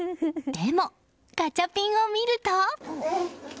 でも、ガチャピンを見ると。